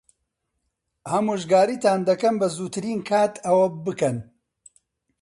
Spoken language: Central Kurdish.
ئامۆژگاریتان دەکەم بە زووترین کات ئەوە بکەن.